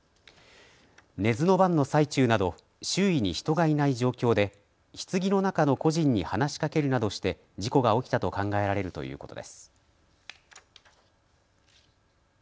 寝ずの番の最中など周囲に人がいない状況でひつぎの中の故人に話しかけるなどして事故が起きたと考えられるということです。